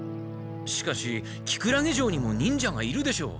しかしキクラゲ城にも忍者がいるでしょう。